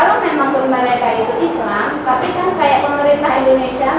mereka itu mendatangani pemberantasan terorisme